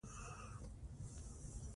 که دوښمن ته موکه ورکړي، ژوند دي اخلي.